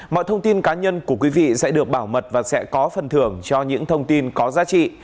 mọi thông tin cá nhân của quý vị sẽ được bảo mật và sẽ có phần thưởng cho những thông tin có giá trị